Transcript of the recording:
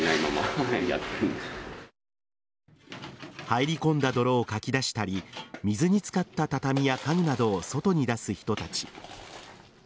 入り込んだ泥をかき出したり水につかった畳や家具などを外に出す人たち。